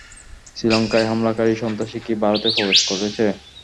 শ্রীলঙ্কায় হামলাকারী সন্ত্রাসী কি ভারতে প্রবেশ করেছে?